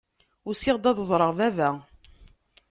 Usiɣ-d ad ẓreɣ baba.